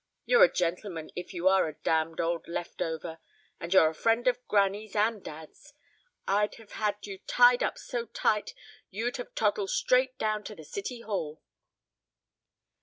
You're a gentleman if you are a damned old left over, and you're a friend of granny's and dad's. I'd have had you tied up so tight you'd have toddled straight down to the City Hall."